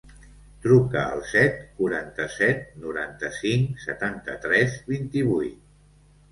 Truca al set, quaranta-set, noranta-cinc, setanta-tres, vint-i-vuit.